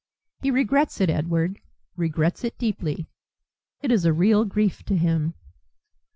He regrets it, Edward, regrets it deeply. It is a real grief to him."